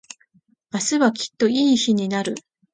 明日はきっといい日になる。